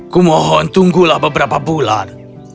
kumohon tunggulah beberapa bulan